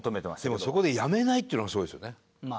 でもそこで辞めないっていうのがすごいですよね。